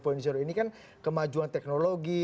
empat empat empat ini kan kemajuan teknologi